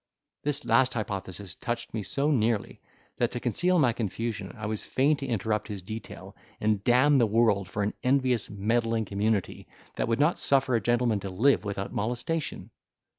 This last hypothesis touched me so nearly that, to conceal my confusion, I was fain to interrupt his detail, and damn the world for an envious meddling community, that would not suffer a gentleman to live without molestation.